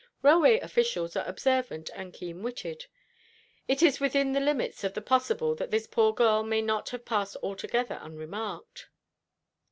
Railway officials are observant and keen witted. It is within the limits of the possible that this poor girl may not have passed altogether unremarked."